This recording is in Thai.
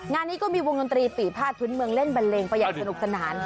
งานนี้ก็มีวงดนตรีปีภาษธุ์ทุนเมืองเล่นบันเลงประหยัดสนุกสนาน